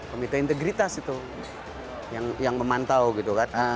komite integritas itu yang memantau gitu kan